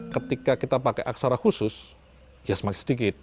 ketika kita pakai aksara khusus ya semakin sedikit